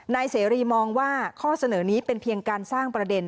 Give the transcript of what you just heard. เสรีมองว่าข้อเสนอนี้เป็นเพียงการสร้างประเด็น